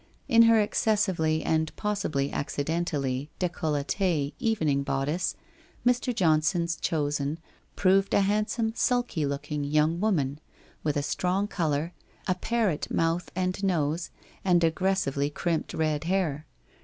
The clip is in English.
In her excessively and possibly accidentally, oVcolletee evening bodice, Mr. Johnson's chosen proved a handsome sulky looking young woman, with a strong colour, a parrot mouth and nose and aggres sively crimped red hair.